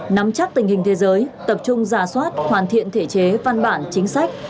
nắm chắc tình hình thế giới tập trung giả soát hoàn thiện thể chế văn bản chính sách